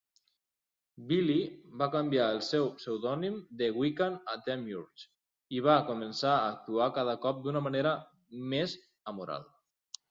Billy va canviar el seu pseudònim de Wiccan a Demiurge, i va començar a actuar cada cop d'una manera més amoral.